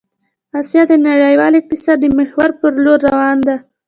آسيا د نړيوال اقتصاد د محور په لور روان ده